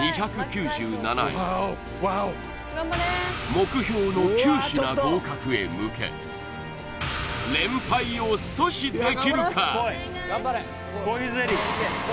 目標の９品合格へ向け連敗を阻止できるか？